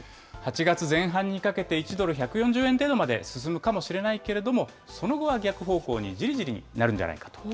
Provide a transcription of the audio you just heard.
８月前半にかけて、１ドル１４０円程度まで進むかもしれないけれども、その後は逆方向にじりじりなるんじゃないかと。